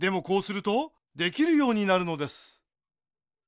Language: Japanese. こうするとできるようになるのです。